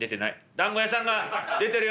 「団子屋さんが出てるよ